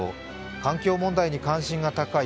環境問題に関心が高い